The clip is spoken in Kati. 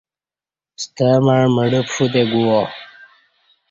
ستمع مڑہ پݜو تہ گوا